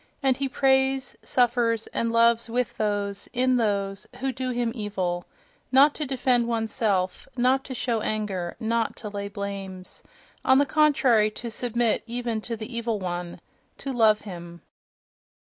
And he prays, suffers and loves with those, in those, who do him evil.... Not to defend one's self, not to show anger, not to lay blames.... On the contrary, to submit even to the Evil One—to love him....